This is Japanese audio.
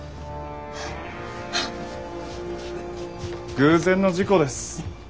偶然の事故です。